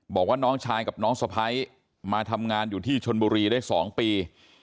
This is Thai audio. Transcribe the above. บอกว่าน้องชายกับน้องสะพ้ายมาทำงานอยู่ที่ชนบุรีได้๒ปี